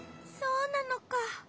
そうなのか。